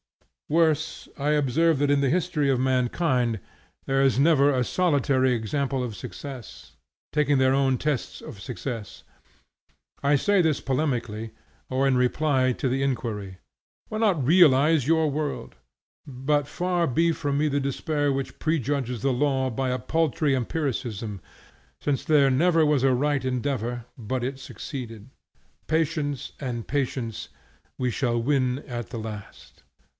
Worse, I observe that in the history of mankind there is never a solitary example of success, taking their own tests of success. I say this polemically, or in reply to the inquiry, Why not realize your world? But far be from me the despair which prejudges the law by a paltry empiricism; since there never was a right endeavor but it succeeded. Patience and patience, we shall win at the last.